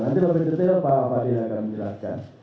nanti lebih detail pak fadil akan menjelaskan